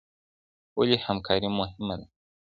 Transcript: ولي همکاري مهمه ده؟